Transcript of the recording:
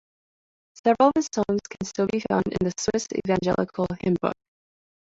Several of his songs can still be found in the Swiss Evangelical Hymn-Book.